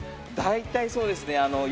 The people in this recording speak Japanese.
大体そうですね